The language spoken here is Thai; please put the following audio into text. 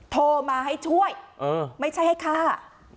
โทรมาให้ช่วยไม่ใช่ให้ฆ่า